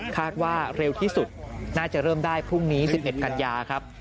คาดว่าเร็วที่สุดน่าจะเริ่มได้พรุ่งนี้๑๑กันยาครับ